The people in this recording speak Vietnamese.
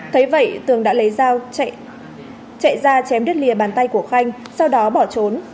thấy vậy tường đã lấy dao chạy ra chém đứt lìa bàn tay của khanh sau đó bỏ trốn